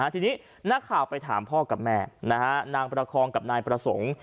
ทีนี้นักข่าวไปถามพ่อกับแม่นางประคองกับนายประสงค์